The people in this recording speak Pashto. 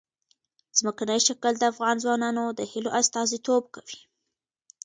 ځمکنی شکل د افغان ځوانانو د هیلو استازیتوب کوي.